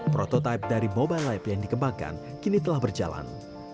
prototipe dari mobile lab yang dikembangkan kini telah berjalan